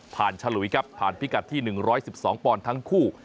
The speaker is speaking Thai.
ผ่านชะลุยครับผ่านพิกัดที่๑๑๒ปอนทั้งคู่